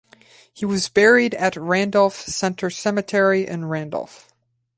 He was buried at Randolph Center Cemetery in Randolph.